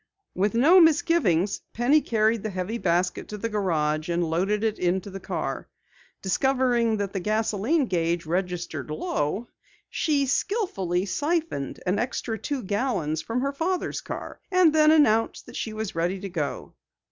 With no misgivings, Penny carried the heavy basket to the garage and loaded it into the car. Discovering that the gasoline gauge registered low, she skillfully siphoned an extra two gallons from her father's car, and then announced that she was ready to go.